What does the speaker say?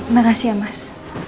makasih ya mas